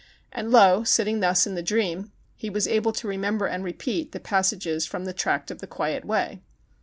And lo ! sitting thus, in the dream, he was able to remember and repeat the passages from "The Tract of the Quiet Way."